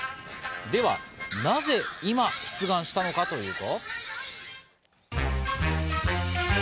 では、なぜ今出願したのかというと。